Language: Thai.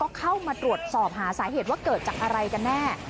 เข้ามาตรวจสอบหาสาเหตุว่าเกิดจากอะไรกันแน่